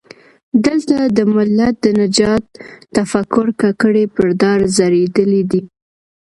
دلته د ملت د نجات تفکر ککرۍ پر دار ځړېدلي دي.